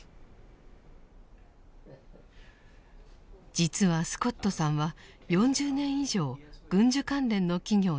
実はスコットさんは４０年以上軍需関連の企業に勤めていました。